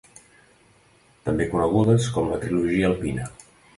També conegudes com la Trilogia alpina.